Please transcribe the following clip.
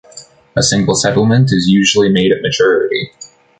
A single settlement is usually made at maturity.